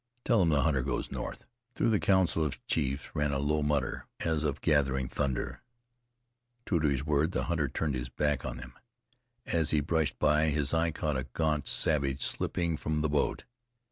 Tell them the hunter goes north." Through the council of chiefs ran a low mutter, as of gathering thunder. True to his word, the hunter turned his back on them. As he brushed by, his eye caught a gaunt savage slipping from the boat.